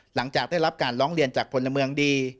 หลังจากได้รับการร้องเรียนจากพลเมืองดี